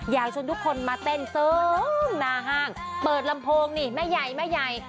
อยากช่วงทุกคนมาเต้นซึ้มหน้าห้างเปิดลำโพงนี่แม่ใหญ่